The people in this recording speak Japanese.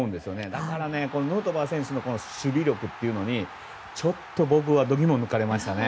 だから、ヌートバー選手の守備力っていうのにちょっと僕は度肝を抜かれました。